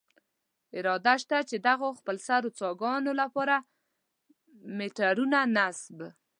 اراده شته، چې دغو خپلسرو څاګانو له پاره میټرونه نصب.